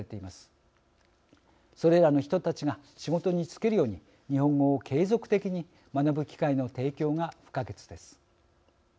それらの人たちが仕事に就けるように日本語を継続的に学ぶ機会の提供が不可欠です。